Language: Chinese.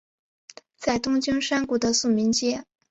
在东京山谷的宿民街。